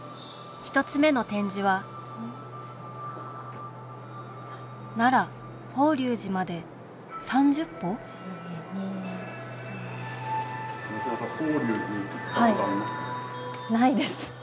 １つ目の展示は奈良・法隆寺まで３０歩？ないです。